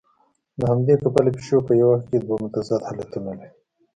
له همدې کبله پیشو په یوه وخت کې دوه متضاد حالتونه لري.